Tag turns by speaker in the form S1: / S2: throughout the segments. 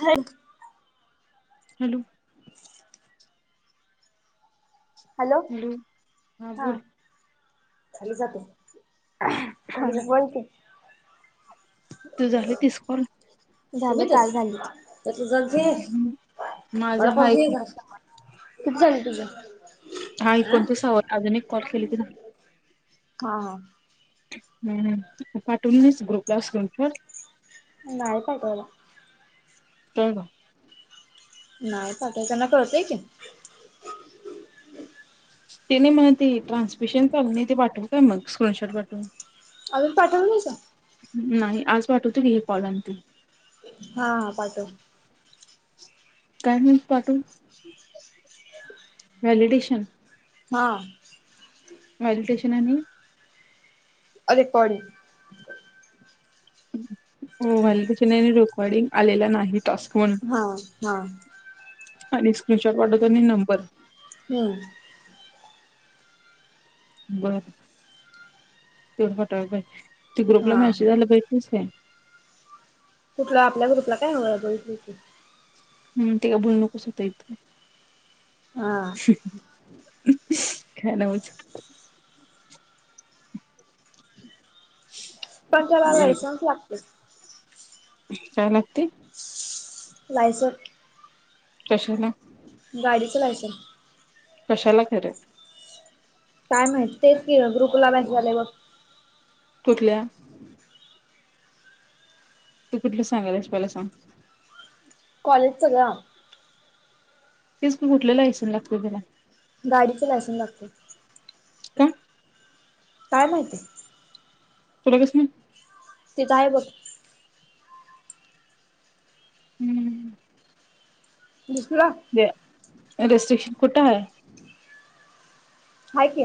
S1: Thanks
S2: hello! Hello हा बोल.
S1: [inaudible]
S2: तू झाली तीस कॉल.
S1: झाली काल झाली तर तू ज घ
S2: माझा
S1: मला पाघ
S2: हा
S1: घे
S2: एक
S1: का. किती झालं तुझं?
S2: हा इकण ते सव अजून एक कॉल केले की नाही.
S1: हा हा
S2: हम् पाठून नाहीच गोप्लासोनवर
S1: नाय कायतला.
S2: हो का?
S1: नाही पाठव त्यांना कळतय की.
S2: तेने मग ते ट्रान्समिशन चाल ते पाठवू काय मग स्क्रीनशॉट पाठवून.
S1: आम्ही पाठवलंच.
S2: नाही आज वाटवते री हे कॉलनतील
S1: हा पाठव.
S2: काय नाही पाठून.
S1: ह.
S2: व्हॅलिडेेशन.
S1: हा.
S2: मेडिटेशन आणि?
S1: रेकॉर्डिंग.
S2: हो व्हालिडेशन आणि रेकॉर्डिंग आलेला नाही टास्क म्हणून
S1: हा हा
S2: आणि स्क्रीनशॉट पाठव आणि नंबर
S1: हम्म.
S2: बर ते पाठवायला पाहिजे. ते ग्रुपला
S1: हा
S2: मेसेज आलाय ते बघितलिस का?
S1: कुठला आपल्या ग्रुपला काय होय बघितलोय कि.
S2: हम् ते काय बोलू नकोस हित.
S1: हा.
S2: काय नवंच
S1: पण त्याला
S2: हम्म,
S1: लायसन्स लागतय
S2: काय लाग
S1: लाईसन
S2: कशाला
S1: गाडीच लायसन्स
S2: कशाला खर
S1: काय माहित ते की ग्रुपला [unintelligible] आलय बघ.
S2: कुठल्या? तू कुठलं सांगालस पहिला सांग.
S1: कॉलेज च् ग.
S2: तेच मी कुठलेला [unintelligible] सन लागत त्याला?
S1: गाडीचे लायसन लागत.
S2: का?
S1: काय माहिती?
S2: तुलागस [unintelligible]
S1: तिथं आहे बघ. दुसरा
S2: ह रेस्ट्रिकशन कुठं आहे?
S1: हायकी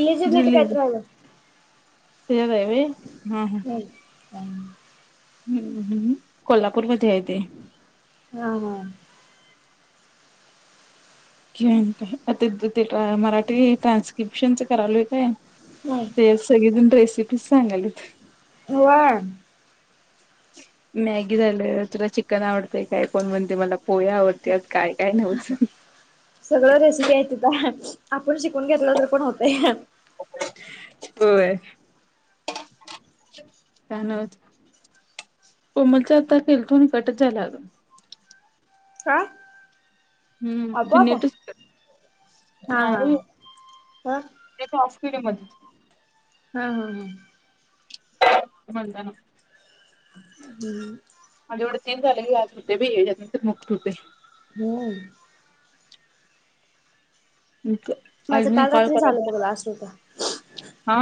S1: इलीजिबिलीटी कायतर [unintelligible]
S2: ते [inaudible] हम हम. हम्म हम् कोल्हापूर मध्ये आहे ते.
S1: हा ह
S2: कि का आता ते मराठी ट्रान्स्क्रिप्शनच करालोय काय
S1: नाही
S2: ते सगजून रेसिपी सांगालेत
S1: व [unintelligible]
S2: मॅगी झालं, तुला चिकन आवडतय काय? फण म्हणते मला पोयावरतीत काय काय न्हवच.
S1: सगळ रेसिपी आहे तिथ आपण शिकून घेतलं तर होतय.
S2: होय. काय नवत कोमलचा आता केेलतो नि कटच जाला आग.
S1: का?
S2: हम्म जिन
S1: आपोआप
S2: त [inaudible]
S1: हा हा हा हा हा
S2: त म [inaudible]
S1: हा हा हा.
S2: म्हणता ना
S1: हम्म.
S2: तीन झाले क आज होते बीनंत मुक्त होते.
S1: होमम.
S2: क-
S1: माझं
S2: अजून एक
S1: काल
S2: कॉल
S1: रात्री झालं
S2: करायचा
S1: बघ लास्ट होत.
S2: हा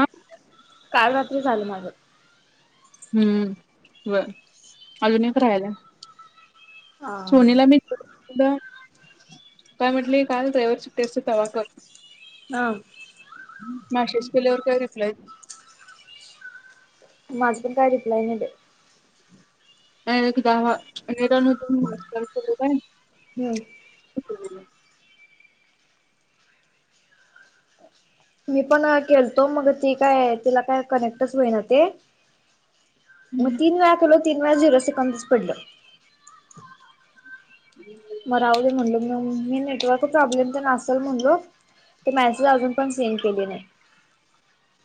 S1: काल रात्री ते झालं माझं.
S2: हम्म ब अजुन एक रहायला.
S1: हा
S2: सोनेला [inaudible] काय म्हटलंय काय ड्रायव्हरची टेस्टच कवा कर
S1: ह
S2: मॅसेज केल्यावर काय रिप्लाय
S1: माझबन काय रिप्लाई नाहीड.
S2: [inaudible] दावा नरा
S1: हम्म
S2: [unintelligible] [inaudible] [unintelligible]
S1: मी पण केलतो मग ती काय तिला काय कनेक्टच होईना ते मग
S2: हम्म
S1: तीन वेळा केलो तीन वेळा झेरो सेंकद पडलं. म राहु दे म्हणलो म मी नेटवर्क प्रॉब्लेम तर नसेल म्हणलो ते मॅसेज अजून पण सेंड केली नाही
S2: [inaudible]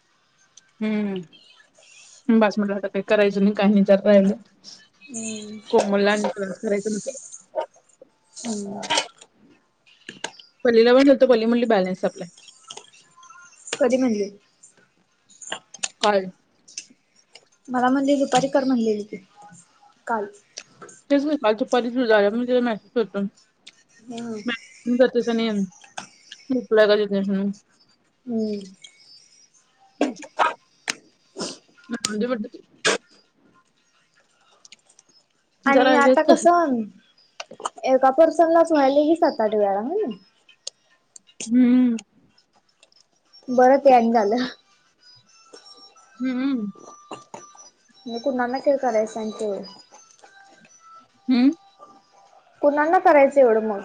S2: हम्म बास मला आता काय करायचं नाही काहीचार राहिला
S1: हम्म.
S2: कोमल लां नेकलेस करायच
S1: हुम
S2: लीला वहीणी तो म्हंटली की बॅलस सपलाय.
S1: कधी म्हणली.
S2: कॉल
S1: मला म्हणली दुपारी कर म्हणलेली की काल.
S2: मेसेज होतून [unintelligible]
S1: हुम
S2: तुझ नेम रिप्लाय का देत नाहीस म्हणून
S1: हम्म
S2: [unintelligible]
S1: आणि
S2: जरा हे
S1: आता कस
S2: कसं
S1: एका पर्सन लाच व्हायला हि सात आठ वेळा हनी.
S2: हम्म
S1: बरं ते आणी झालं
S2: हुम्म
S1: म कुणाला कीळ सांग की
S2: हम्म.
S1: पुणाना करायचं एवढं मग.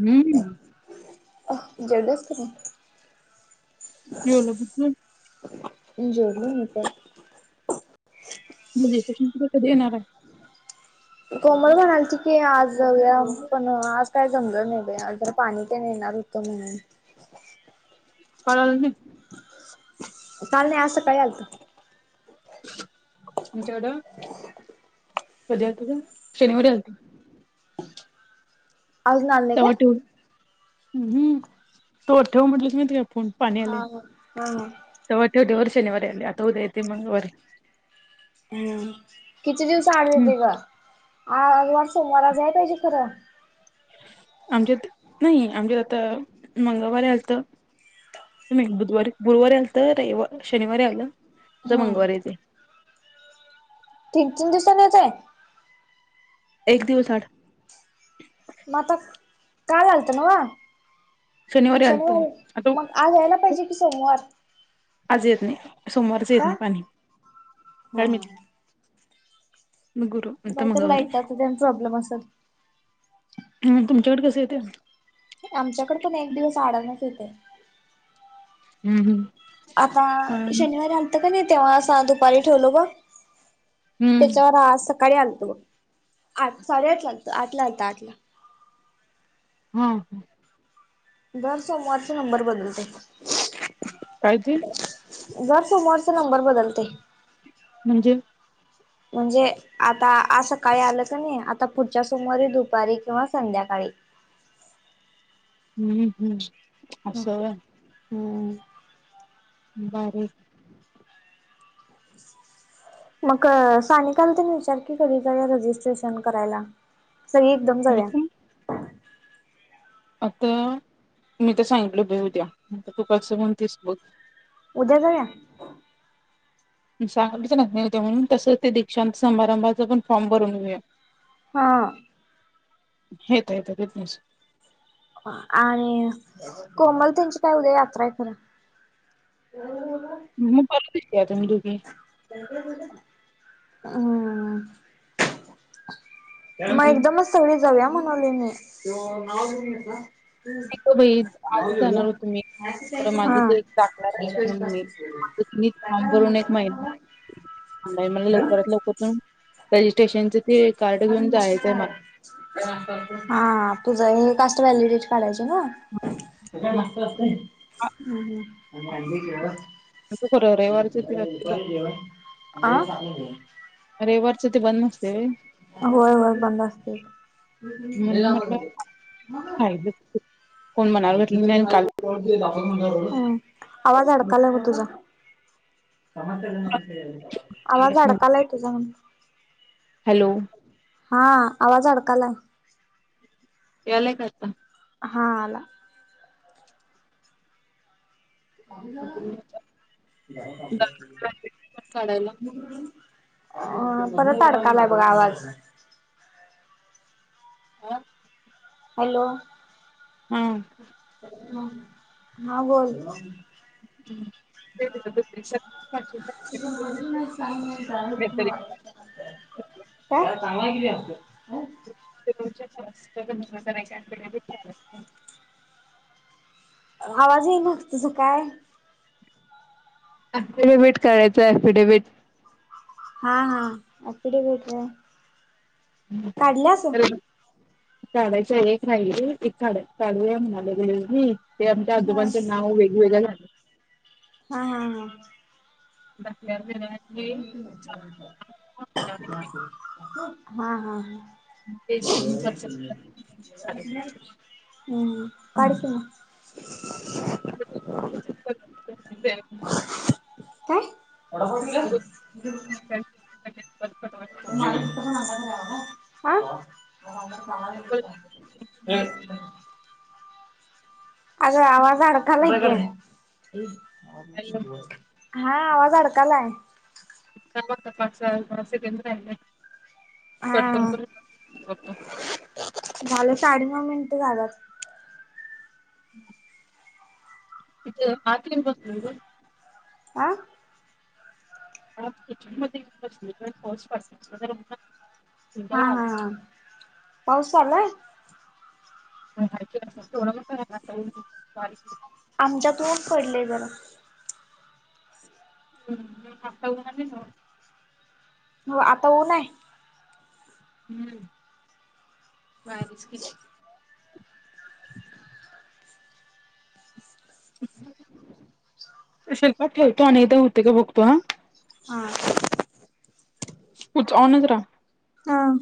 S2: हम्म
S1: [unintelligible]
S2: हम् हम्
S1: जेवलो मी पन.
S2: [inaudible] कधी येणार आहे.
S1: कोमल म्हणालती की आज पण जाऊया पन आज काय जमल नाही आज पाणी का नेणार येतो म्हणून
S2: [unintelligible] कॉल आला नाही
S1: काल नाही आज सकाळी आलत.
S2: [unintelligible] कधी आलत गं शनिवारी आलत.
S1: आजुन आल नाही काय.
S2: ह हम् तो ठेव म्हटली स पण पाणी
S1: हा
S2: आले
S1: हा. हा हा
S2: तवाच्या शनिवारी आलय आता उद्या येते मग रवीवारी
S1: हम किती दिवस आड
S2: हम्म
S1: येते ग. आज वार सोमवार आज यायला पाहीजे की खर.
S2: आमच्यात न ईआमच्यात आता मंगळवारी आलत न ई बुधवारी गुरुवारी आलत तर शनिवारी आलं तर
S1: हम्म
S2: मंगळवारी येतय.
S1: तीन तीन दिवसांन येतय.
S2: एक दिवस आड.
S1: मग आता काल आलत नव्ह.
S2: शनिवारी आलत आता
S1: शनिवारी मग आज यायला पाहिजे की सोमवार.
S2: आज येत नाही सोमवारच येत नाही
S1: का?
S2: पाणी
S1: हा
S2: काय
S1: हा.
S2: माहीत मग गुरु नाहीतर मंगळवारी.
S1: लाईटाचा तेन प्रॉब्लेम असल.
S2: तुमच्याकडे कसं येतय
S1: आमच्याकडे पण एक दिवस आडणच येतय.
S2: हम्म हम्म
S1: आता शनिवारी आलतं का नाही तेव्हा असा दुपारी ठेवलो बग
S2: हम्म
S1: त्याच्यावर आज सकाळी आलतो बघ आठ-साडेआठ झालते आठला आलतो आठला
S2: हा ह
S1: दर सोमवारचा नंबर बदलतय
S2: काय ते
S1: दर सोमवारचा नंबर बदलतोय
S2: म्हणजे
S1: म्हणजे आता आज सकाळी आलतो ना मी आता पुढच्या सोमवारी दुपारी किंवा संध्याकाळी सकाळी
S2: हम्म हम्म असं व्हय
S1: हम्म
S2: भारी ए
S1: मग सानिकाला ते नी विचार की कधी जाऊया रजिस्ट्रेशन करायला सगळे एकदम
S2: मी पण
S1: जाऊयात
S2: आता मी तर सांगितलं बाई उद्या तू कसं म्हणतीस बघ
S1: उद्या जाऊया
S2: मग सांगायचं ना येते म्हणून तसंच ते दीक्षांत समारंभाचं पण फॉर्म भरून घेऊया
S1: हा
S2: येतं येतं येत नाहीस
S1: आणि कोमल त्यांची काय उद्या यात्रा ए खरं ह
S2: मग परत येतीया तुम्ही दोघी
S1: हम् मग
S2: हम्म
S1: एकदमच सगळे जाऊया मग [inaudible] [inaudible]
S2: [inaudible] आजच जाणार होतो मी खरं माझं एक
S1: हा.
S2: ते दाखला राहिला म्हणून मी माझं की नई फॉर्म भरून एक महिना ऑनलाईन मला लवकरात लवकर जाऊन रजिस्ट्रेशनच ते
S1: [unintelligible] [inaudible]
S2: कार्ड घेऊन जायचंय मला
S1: हा तुझं ते कास्ट व्हॅलिडेट काढायच हं.... तुझ्या
S2: मग
S1: लॅपटॉपचं ए आमही आणली की
S2: खरं रविवारच ते रस्ते बंद
S1: व [inaudible] [inaudible] आ
S2: रविवारच ते बंद नसते व्हय?
S1: होय होय बंद असतंय लई
S2: म्हणून
S1: लांब
S2: म्हटलं
S1: वर. [inaudible] मग
S2: राहिल
S1: [inaudible]
S2: कोण मनावर घेतलं नाही आणि काल
S1: [unintelligible] आवाज अडकालाय बघ तुझा समजतं का [inaudible] आवाज अडकायला तुझा
S2: हॅलो
S1: हा आवाज अडकायलाय
S2: यायलाय का आता
S1: हा आला [unintelligible] [unintelligible] [unintelligible]
S2: काढायला
S1: [unintelligible] अ परत अडकालाय बघ आवाज
S2: अ
S1: हॅलो
S2: हम
S1: ह ह हा बोल
S2: [inaudible] [unintelligible]
S1: [unintelligible] [unintelligible] काय काय [inaudible]
S2: [unintelligible] [inaudible] [unintelligible] [inaudible]
S1: आवाज येईना तुझं काय
S2: ॲफिडेविट करायचं ॲफिडेविट
S1: हा हा ॲॅफिडेवीट रं काढल्यासो?
S2: काढायचं एक राहिलंय एक काढूया म्हणालागलंय ते आमच्या
S1: हा
S2: आजोबांचं नाव वेगवेगंळं झालं
S1: हा हा हा
S2: बा
S1: हं हं हा हा हा [unintelligible] हम् काढू कि मग
S2: [unintelligible]
S1: काय? [unintelligible] [unintelligible] हे
S2: कोल्हापूरला
S1: अग आवाज अडाकलाय कि [unintelligible] हा आवाज अडकालाय
S2: [unintelligible] कट
S1: हा
S2: करतो [unintelligible]
S1: झालं साडेनऊ मिनटं झालंत.
S2: हम्. इथं आत येउन बसलोय गं.
S1: आं
S2: किचन मध्ये बसलोय [unintelligible]
S1: हा हा हा पाऊस पडलाय?
S2: [unintelligible]
S1: आमच्यात ऊन पडले जरा
S2: हम्म [unintelligible]
S1: हो आता ऊन आहे.
S2: हम्म भारीच कि हम कशाळा ठेवतो आणि [unintelligible] होते का बघतो हा.
S1: हा
S2: पुढचं ऑनच राहा.
S1: हा.